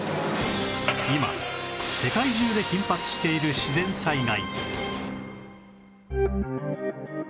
今世界中で頻発している自然災害